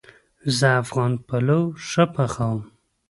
زه افغان پلو ښه پخوم